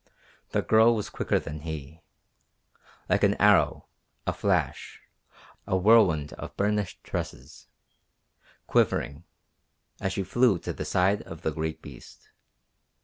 The girl was quicker than he like an arrow, a flash, a whirlwind of burnished tresses, as she flew to the side of the great beast.